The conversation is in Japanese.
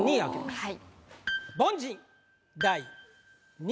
はい。